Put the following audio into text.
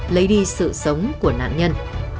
lấy đi sự sống của nạn nhân